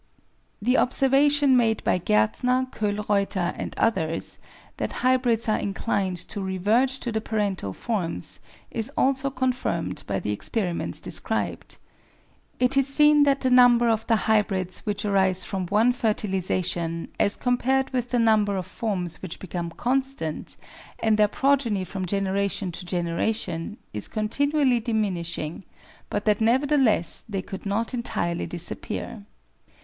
The observation made by Gartner, Kolreuter, and others, that hybrids are inclined to revert to the parental forms, is also con firmed by the experiments described. It is seen that the number of the hybrids which arise from one fertilisation, as compared with the number of forms which become constant, and their progeny from generation to generation, is continually diminishing, but that nevertheless they could not entirely disappear.